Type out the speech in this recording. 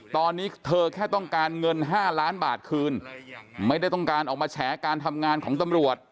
ตอนนี้เธอแค่ต้องการเงิน๕ล้านบาทคืนไม่ได้ต้องการออกมาแฉการทำงานของตำรวจ